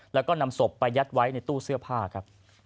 แล้วก็นำศพไปยัดไว้ในตู้เสื้อผ้าครับ